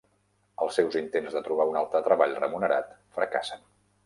Els seus intents de trobar un altre treball remunerat fracassen.